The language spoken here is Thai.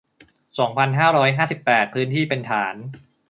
สองพันห้าร้อยห้าสิบแปด พื้นที่เป็นฐาน